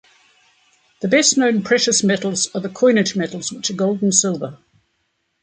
The best known precious metals are the coinage metals, which are gold and silver.